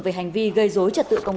về hành vi gây dối trật tự công cộng